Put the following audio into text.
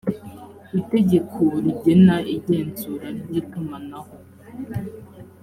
itegeko rigena igenzura ry itumanaho